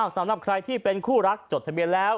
สำหรับใครที่เป็นคู่รักจดทะเบียนแล้ว